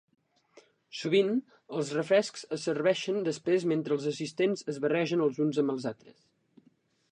Sovint, els refrescs es serveixen després mentre els assistents es barregen els uns amb els altres.